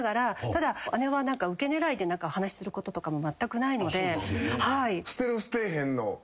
ただ姉はウケ狙いで話することとかもまったくないので。